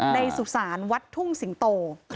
สุสานวัดทุ่งสิงโต